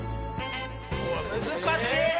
難しい！